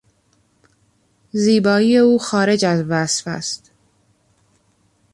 زیبایی او خارج از وصف است.